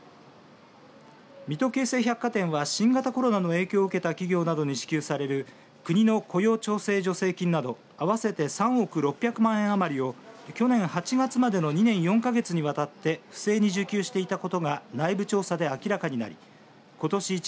水戸京成百貨店は新型コロナの影響を受けた企業などに支給される国の雇用調整助成金など合わせて３億６００円余りを去年８月までの２年４か月にわたって不正に受給していたことが内部調査で明らかになりことし